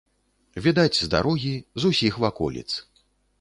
Відаць з дарогі, з усіх ваколіц.